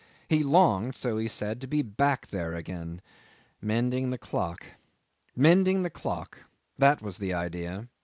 He longed so he said to be back there again, mending the clock. Mending the clock that was the idea.